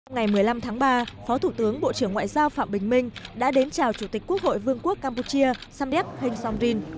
ngày một mươi năm tháng ba phó thủ tướng bộ trưởng ngoại giao phạm bình minh đã đến chào chủ tịch quốc hội vương quốc campuchia samdek heng somrin